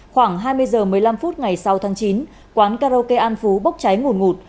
khoảng hai mươi h một mươi năm phút ngày sáu tháng chín quán karaoke an phú bốc cháy ngủn ngụt